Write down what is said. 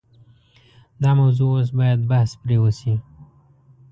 دا موضوع اوس باید بحث پرې وشي.